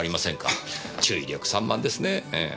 注意力散漫ですねええ。